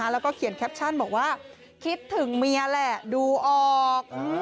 แล้วก็เขียนแคปชั่นบอกว่าคิดถึงเมียแหละดูออก